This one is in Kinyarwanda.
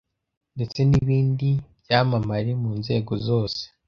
ndetse n’ibindi byamamare mu nzego zose